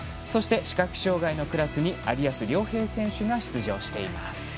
そして、視覚障がいのクラスに有安諒平選手が出場しています。